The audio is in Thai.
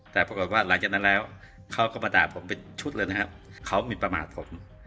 แต่ปรากฏว่าหลังจากนั้นแล้วเขาก็มาด่าผมเป็นชุดเลยนะครับเขามินประมาทผม